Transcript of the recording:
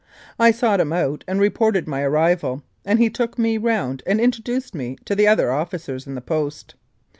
I sought him out and reported my arrival, and he took me round and introduced me to the other officers in the Post.